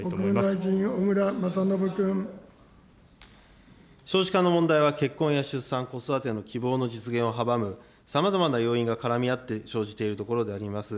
国務大臣、少子化の問題は結婚や出産、子育ての希望の実現を阻むさまざまな要因が絡み合って生じているところであります。